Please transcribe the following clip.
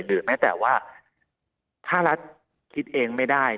แม้แต่ว่าถ้ารัฐคิดเองไม่ได้